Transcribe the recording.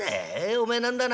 おめえ何だな。